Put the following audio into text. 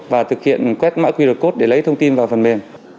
và thực hiện quét mã qr code để lấy thông tin vào phần mềm